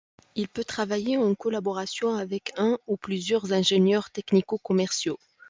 Il peut travailler en collaboration avec un ou plusieurs ingénieurs technico-commerciaux.